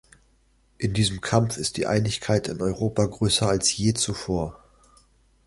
In diesem Kampf ist die Einigkeit in Europa größer als je zuvor.